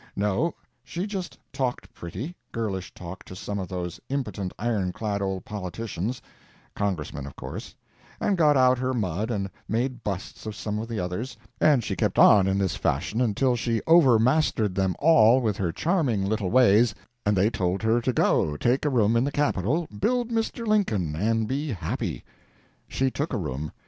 No, she just talked pretty, girlish talk to some of those impotent iron clad old politicians—Congressmen, of course—and got out her mud and made busts of some of the others; and she kept on in this fashion until she over mastered them all with her charming little ways, and they told her to go, take a room in the Capitol, build Mr. Lincoln, and be happy. She took a room.